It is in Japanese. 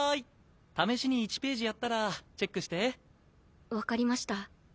試しに１ページやったらチェックして」わかりました。